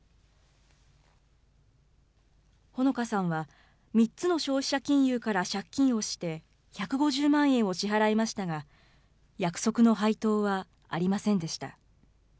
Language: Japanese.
ほのかさんは、３つの消費者金融から借金をして、１５０万円を支払いましたが、約束の配当はありませんでした。